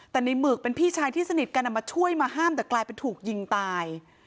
แต่ในหมึกเป็นพี่ชายที่สนิทกันมาช่วยมาห้ามแต่กลายเป็นถูกยิงตาย